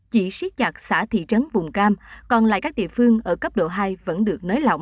chỉ siết chặt xã thị trấn vùng cam còn lại các địa phương ở cấp độ hai vẫn được nới lỏng